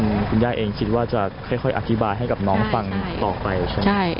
คุณย่าเองคิดว่าจะค่อยอธิบายให้กับน้องฟังต่อไปใช่ไหม